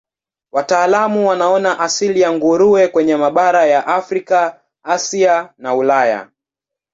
Wataalamu wanaona asili ya nguruwe kwenye mabara ya Afrika, Asia na Ulaya.